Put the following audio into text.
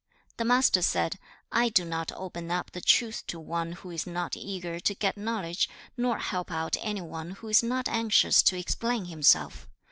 The Master said, 'I do not open up the truth to one who is not eager to get knowledge, nor help out any one who is not anxious to explain himself.